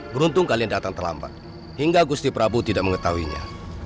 beruntung kalian datang terlambat hingga gusti prabu tidak mengetahuinya